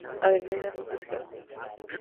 Adelaida nunca se casó.